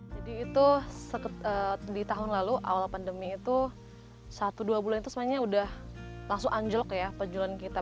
jadi itu di tahun lalu awal pandemi itu satu dua bulan itu sebenarnya udah langsung anjlok ya penjualan kita